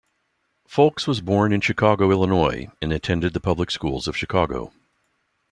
Foulkes was born in Chicago, Illinois and attended the public schools of Chicago.